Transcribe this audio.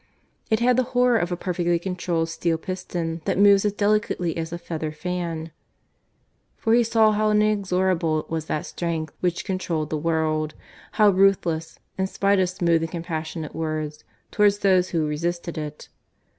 It had the horror of a perfectly controlled steel piston that moves as delicately as a feather fan. For he saw how inexorable was that strength which controlled the world; how ruthless, in spite of smooth and compassionate words, towards those who resisted it.